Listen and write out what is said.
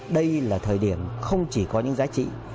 đây là thời điểm không chỉ có những giá trị